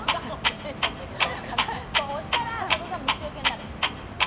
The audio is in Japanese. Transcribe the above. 押したらそこが虫よけになる。